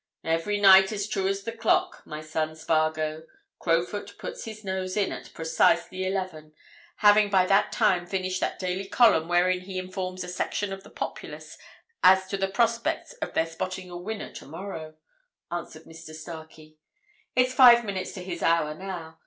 "Every night as true as the clock, my son Spargo, Crowfoot puts his nose in at precisely eleven, having by that time finished that daily column wherein he informs a section of the populace as to the prospects of their spotting a winner tomorrow," answered Mr. Starkey. "It's five minutes to his hour now.